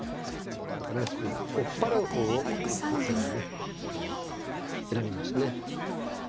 この追っ払う方を先にね選びましたね。